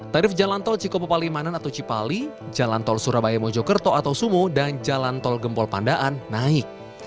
tarif jalan tol cikopo palimanan atau cipali jalan tol surabaya mojokerto atau sumo dan jalan tol gempol pandaan naik